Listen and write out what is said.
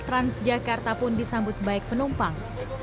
transjakarta pun disambut baik penumpang